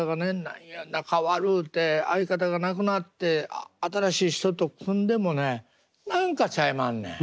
何や仲悪うて相方がなくなって新しい人と組んでもね何かちゃいまんねん。